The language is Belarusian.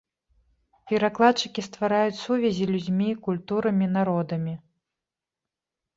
Перакладчыкі ствараюць сувязі людзьмі, культурамі, народамі.